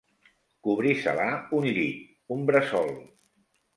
Cobricelar un llit, un bressol.